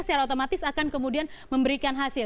secara otomatis akan kemudian memberikan hasil